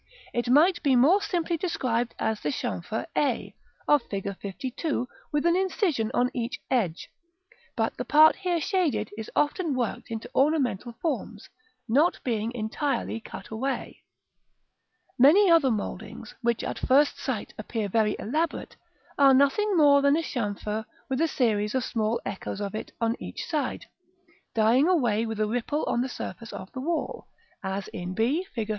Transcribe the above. It might be more simply described as the chamfer a of Fig. LII., with an incision on each edge; but the part here shaded is often worked into ornamental forms, not being entirely cut away. [Illustration: Fig. LV.] § XIV. Many other mouldings, which at first sight appear very elaborate, are nothing more than a chamfer, with a series of small echoes of it on each side, dying away with a ripple on the surface of the wall, as in b, Fig.